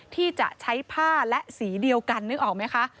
ที่จะใช้ผ้าและสีเดียวกันนึกออกไหมคะ